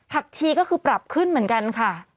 ชีก็คือปรับขึ้นเหมือนกันค่ะ